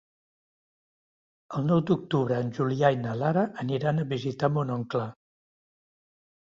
El nou d'octubre en Julià i na Lara aniran a visitar mon oncle.